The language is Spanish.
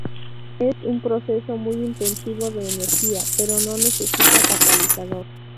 Es un proceso muy intensivo de energía, pero no necesita catalizador.